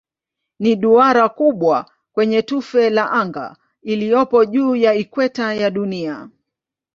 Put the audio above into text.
Ni duara kubwa kwenye tufe la anga iliyopo juu ya ikweta ya Dunia.